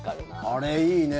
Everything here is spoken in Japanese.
あれ、いいね。